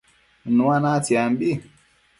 Nua natsiambi